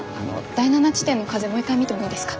第７地点の風もう一回見てもいいですか？